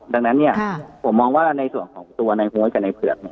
ดังนั้นเนี่ยผมมองว่าในส่วนของตัวในหวยกับในเผือกเนี่ย